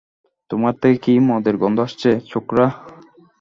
তোমার থেকে কি মদের গন্ধ আসছে, ছোকরা?